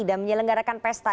dan menyelenggarakan pesta